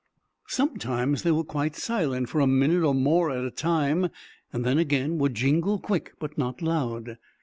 Sometimes they were quite silent for a minute or more at a time, and then again would jingle quick, but not loud.